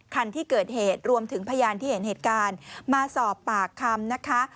คันที่เกิดเหตุรวมถึงพยานที่เห็นเหตุการณ์มาสอบปากคำนะคะ